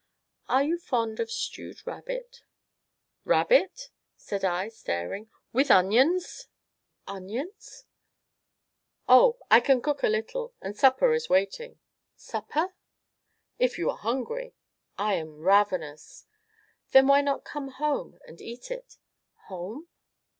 "Are you fond of stewed rabbit?" "Rabbit!" said I, staring. "With onions!" "Onions?" "Oh, I can cook a little, and supper is waiting." "Supper?" "So if you are hungry " "I am ravenous!" "Then why not come home and eat it?" "Home?"